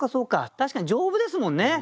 確かに丈夫ですもんね。